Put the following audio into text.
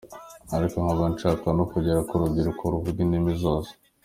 Ariko nkaba nshaka no kugera ku rubyiruko ruvuga indimi zose.